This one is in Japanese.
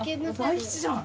大吉じゃん！